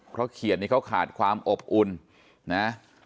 เพราะเขียนนี้เขาขาดความอบอุ่นนะ